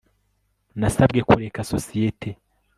Nasabwe kureka sosiyete